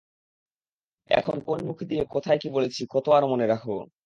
এখন কোন মুখ দিয়ে কোথায় কী বলেছি কত আর মনে রাখবো।